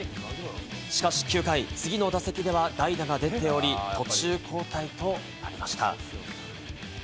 しかし９回、次の打席では代打が出ており、途中交代となりました。